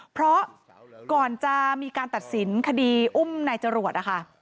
เพราะก่อนจะมีการตัดสินคดีอุ้มนายจรวดนะคะ